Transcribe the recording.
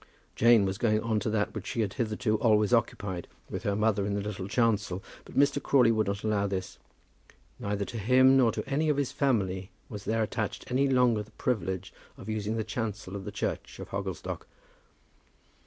Jane was going on to that which she had hitherto always occupied with her mother in the little chancel; but Mr. Crawley would not allow this. Neither to him nor to any of his family was there attached any longer the privilege of using the chancel of the church of Hogglestock.